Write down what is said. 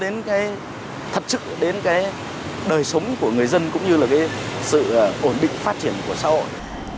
đến cái thật sự đến cái đời sống của người dân cũng như là cái sự ổn định phát triển của xã hội